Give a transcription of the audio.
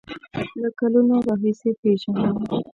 له کلونو راهیسې پیژنم.